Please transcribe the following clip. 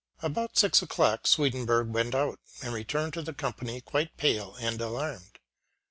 About six o'clock Sweden borg went out, and returned to the company quite pale and alarmed.